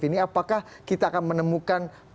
ini apakah kita akan menemukan